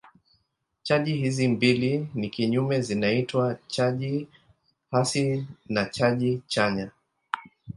Chaji hizi mbili ni kinyume zinaitwa chaji hasi na chaji chanya.